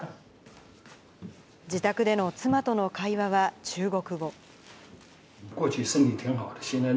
自宅での妻との会話は中国語。